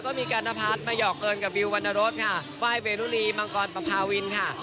ก็มีการนพัฒน์มาหอกเกินกับบิววรรณรสค่ะไฟล์เวรุลีมังกรปภาวินค่ะ